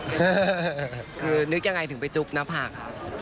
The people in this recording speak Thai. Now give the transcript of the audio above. คือนึกยังไงถึงไปจุ๊บหน้าผากครับ